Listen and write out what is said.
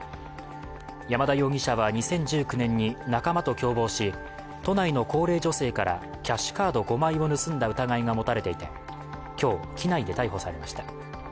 山田容疑者は、２０１９年に仲間と共謀し都内の高齢女性からキャッシュカード５枚を盗んだ疑いが持たれていて今日、機内で逮捕されました。